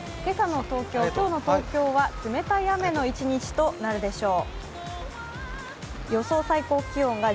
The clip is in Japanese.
今朝の東京は冷たい雨の一日となるでしょう。